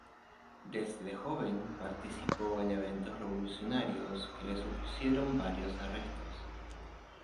Desde joven participó en eventos revolucionarios que le supusieron varios arrestos.